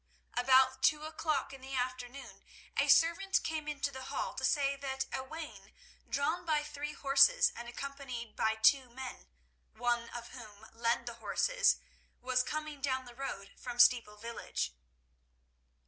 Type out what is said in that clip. About two o'clock in the afternoon a servant came into the hall to say that a wain drawn by three horses and accompanied by two men, one of whom led the horses, was coming down the road from Steeple village.